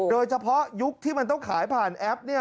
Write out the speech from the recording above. โดยเฉพาะยุคที่มันต้องขายผ่านแอปนี้